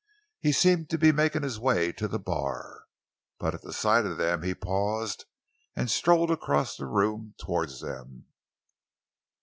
He seemed to be making his way to the bar, but at the sight of them he paused and strolled across the room towards them.